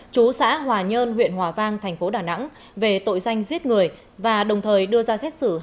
chú xã hòa nhơn huyện hòa vang thành phố đà nẵng về tội danh giết người và đồng thời đưa ra xét xử